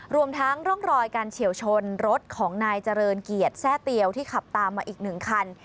รวมทั้งร่องรอยการเฉียวชนรถของนายเจริญเกียรติแซ่เตียวที่ขับตามมาอีกหนึ่งคัน